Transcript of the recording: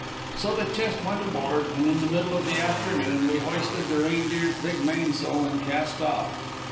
So the chest went aboard, and in the middle of the afternoon we hoisted the Reindeer's big mainsail and cast off.